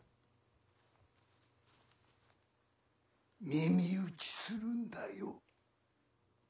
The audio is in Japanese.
・耳打ちするんだよ。